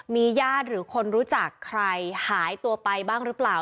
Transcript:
มีญาติหรือคนรู้จักใครหายตัวไปบ้างหรือเปล่า